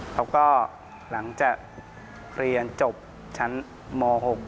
แล้วก็หลังจากเรียนจบชั้นม๖